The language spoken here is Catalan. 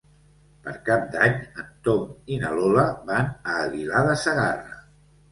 Per Cap d'Any en Tom i na Lola van a Aguilar de Segarra.